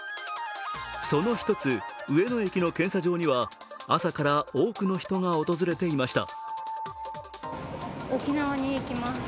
その１つ、上野駅の検査場には、朝から多くの人が訪れていました。